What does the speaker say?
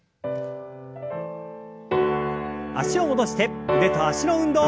脚を戻して腕と脚の運動。